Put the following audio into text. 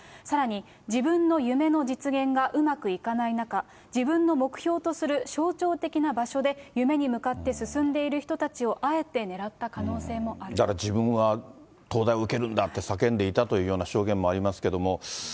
さらに、自分の夢の実現がうまくいかない中、自分の目標とする象徴的な場所で、夢に向かって進んでいる人たちをあえて狙った可能だから、自分は東大を受けるんだって叫んでいたというような証言もありますけれども。